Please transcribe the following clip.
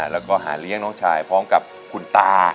แล้วก็หาเลี้ยงน้องชายพร้อมกับคุณตา